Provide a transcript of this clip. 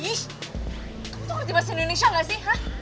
kamu tuh ngerti bahasa indonesia gak sih